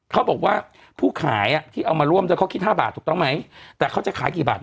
เขาบอกว่าผู้ขายอ่ะที่เอามาร่วมด้วยเขาคิด๕บาทถูกต้องไหมแต่เขาจะขายกี่บาท